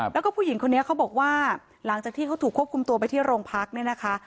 แล้วก็ผู้หญิงคนนี้เขาบอกว่าหลังจากที่เขาถูกควบคุมตัวไปที่โรงพักเนี่ยนะคะ